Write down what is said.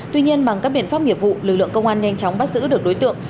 tuy nhiên bằng các biện pháp nghiệp vụ lực lượng công an nhanh chóng bắt giữ được đối tượng